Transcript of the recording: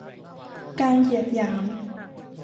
การเหยียดหยาม